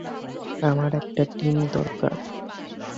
আমার একটা টিম দরকার।